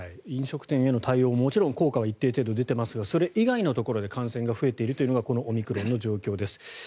飲食店への対応ももちろん効果は一定程度出ていますがそれ以外のところで感染が増えているのというのがオミクロン株の状況です。